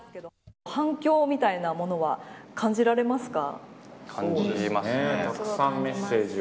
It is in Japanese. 反響みたいなものは感じられますか。